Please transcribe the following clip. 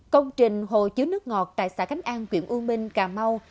công trình hồ chứa nước ngọt tại xã khánh an quyện u minh cà mau